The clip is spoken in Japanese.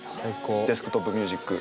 デスクトップミュージック。